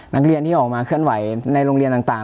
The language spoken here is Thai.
นักเรียนที่ออกมาเคลื่อนไหวในโรงเรียนต่าง